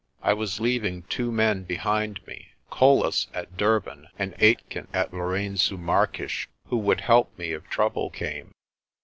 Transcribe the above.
I was leaving two men behind me, Colles at Durban and Aitken at Lourengo Marques, who would help me if trouble came.